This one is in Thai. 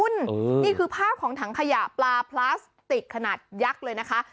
นี่คือภาพของถังขยะปลาพลาสติกขนาดยักษ์เลยนะคะ